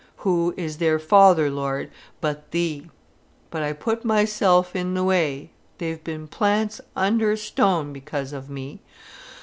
Who is their father, Lord, but Thee? But I put myself in the way, they've been plants under a stone, because of me.